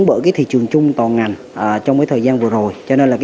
giảm ba chín so với đầu năm